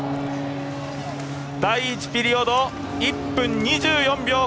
第１ピリオド、１分２４秒。